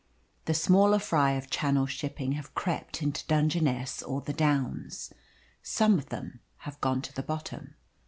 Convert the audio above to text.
The smaller fry of Channel shipping have crept into Dungeness or the Downs. Some of them have gone to the bottom.